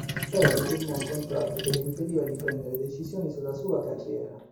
Perry firmò un contratto che le impediva di prendere decisioni sulla sua carriera.